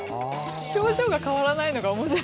表情が変わらないのがおもしろい。